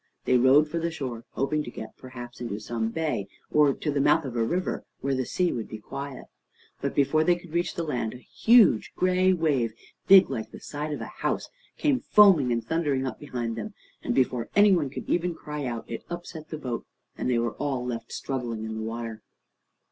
They rowed for the shore, hoping to get perhaps into some bay, or to the mouth of a river, where the sea would be quiet. But before they could reach the land, a huge gray wave, big like the side of a house, came foaming and thundering up behind them, and before any one could even cry out, it upset the boat, and they were all left struggling in the water.